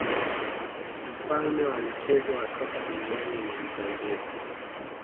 mfalme wa mchezo wa soka duniani ni mbrazil